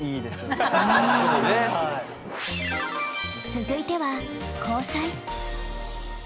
続いては交際。